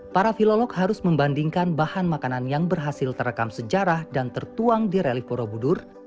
para filolog harus membandingkan bahan makanan yang berhasil terekam sejarah dan tertuang di relif borobudur